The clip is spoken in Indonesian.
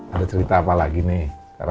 ada cerita apa lagi nih